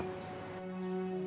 karena sudah menodai agama